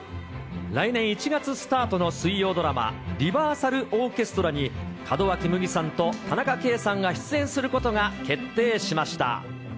来年１月スタートの水曜ドラマ、リバーサルオーケストラに、門脇麦さんと田中圭さんが出演することが決定しました。